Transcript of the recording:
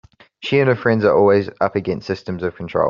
She and her friends are always up against systems of control.